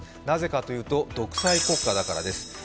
なぜかというと独裁国家だからです。